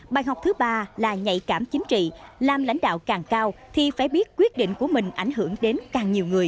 bài học thứ ba là nhạy cảm chính trị làm lãnh đạo càng cao thì phải biết quyết định của mình ảnh hưởng đến càng nhiều người